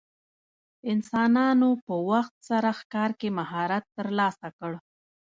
انسانانو په وخت سره ښکار کې مهارت ترلاسه کړ.